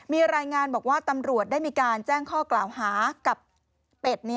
มีรายงานบอกว่าตำรวจได้มีการแจ้งข้อกล่าวหากับเป็ด